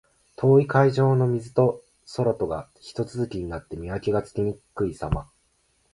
遠い海上の水と空とがひと続きになって、見分けがつきにくいさま。